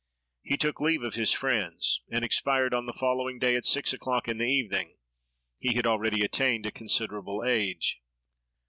He took leave of his friends, and expired on the following day, at six o'clock in the evening. He had already attained a considerable age.